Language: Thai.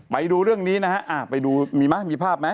ไปดูเรื่องนี้นะฮะไปดูมีไหมมีภาพไหม